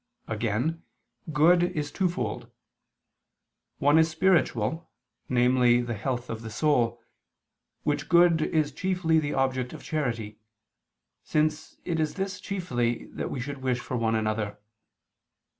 Again, good is twofold: one is spiritual, namely the health of the soul, which good is chiefly the object of charity, since it is this chiefly that we should wish for one another.